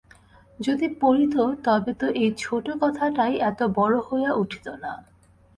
যদি পড়িত তবে তো এই ছোটো কথাটাই এত বড়ো হইয়া উঠিত না।